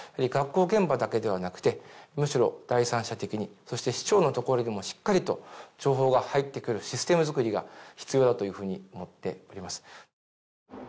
学校現場だけではなくてむしろ第三者的にそして市長のところにもしっかりと情報が入ってくるシステム作りが必要だというふうに思っております